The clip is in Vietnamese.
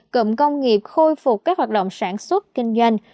cụm công nghiệp khôi phục các hoạt động sản xuất kinh doanh